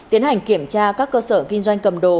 tiến hành kiểm tra các cơ sở kinh doanh cầm đồ